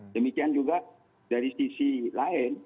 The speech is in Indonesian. demikian juga dari sisi lain